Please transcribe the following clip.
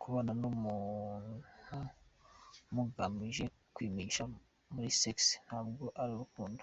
Kubana n’umuntu mugamije kwishimisha muli sex, ntabwo ari urukondo.